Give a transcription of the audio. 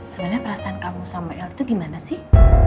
sebenernya perasaan kamu sama el itu dimana sih